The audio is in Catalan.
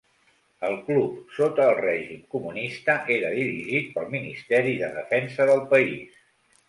El club, sota el règim comunista, era dirigit pel ministeri de defensa del país.